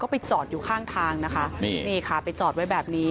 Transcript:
ไปจอดอยู่ข้างทางนะคะนี่นี่ค่ะไปจอดไว้แบบนี้